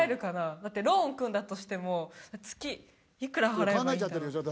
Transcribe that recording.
だってローン組んだとしても月いくら払えばいいんだろう？